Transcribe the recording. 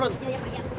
yang seperti ini kan